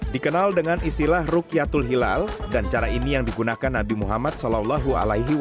dikenal dengan istilah rukyatul hilal dan cara ini yang digunakan nabi muhammad saw